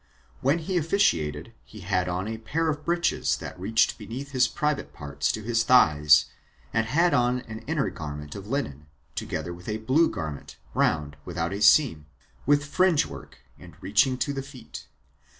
When he officiated, he had on a pair of breeches that reached beneath his privy parts to his thighs, and had on an inner garment of linen, together with a blue garment, round, without seam, with fringe work, and reaching to the feet.